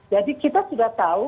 jadi kita sudah tahu